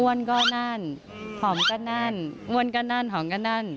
้วนก็นั่นหอมก็นั่นอ้วนก็นั่นหอมก็นั่น